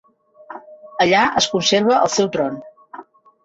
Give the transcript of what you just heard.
Allà es conserva el seu tron.